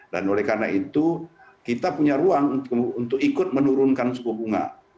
dan oleh karena itu kita punya ruang untuk ikut menurunkan suku bunga